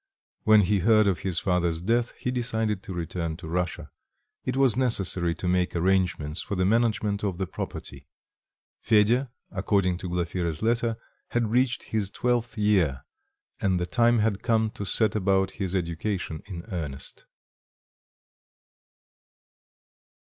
When he heard of his father's death he decided to return to Russia. It was necessary to make arrangements for the management of the property. Fedya, according to Glafira's letter, had reached his twelfth year, and the time had come to set about his education in earnest.